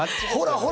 ほら！